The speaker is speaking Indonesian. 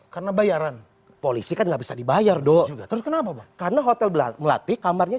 karena bayaran polisi kan nggak bisa dibayar dong terus kenapa karena hotel belakang latih kamarnya